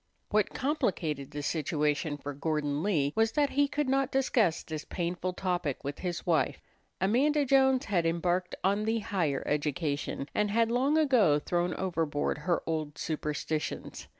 What complicated the situation for Gordon Lee was that he could not discuss this painful topic with his wife. Amanda Jones had embarked on the higher education, and had long ago thrown overboard her old superstitions.